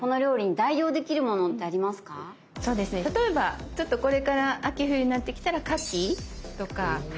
例えばこれから秋冬になってきたらかきとか。